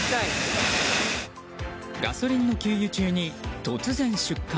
ガソリンの給油中に突然出火。